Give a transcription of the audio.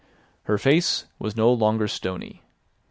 Her face was no longer stony.